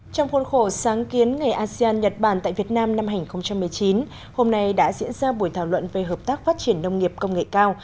trong khuôn khổ sáng kiến ngày asean nhật bản tại việt nam năm hai nghìn một mươi chín hôm nay đã diễn ra buổi thảo luận về hợp tác phát triển nông nghiệp công nghệ cao